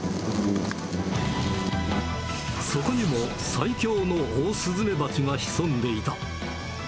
そこにも最強のオオスズメバチが潜んでいた。